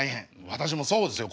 私もそうですよ